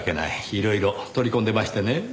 いろいろ取り込んでましてね。